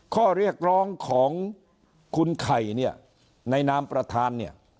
ข้อเรียกร้องของคุณไข่เนี่ยในนามประธานเนี่ย